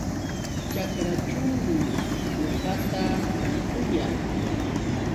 Ćhakraćhuumi uqata tarpuyaa.